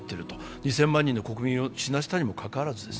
２０００万人の国民を死なせたにもかかわらず。